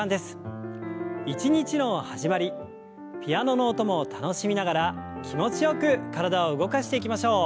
一日の始まりピアノの音も楽しみながら気持ちよく体を動かしていきましょう。